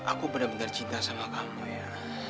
aku benar benar cinta sama kamu ya